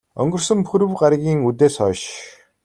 Өнгөрсөн пүрэв гаригийн үдээс хойш.